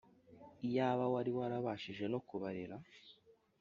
iyaaba wari warabashije no kubarera